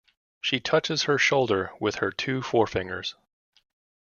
She touches her shoulder with her two forefingers.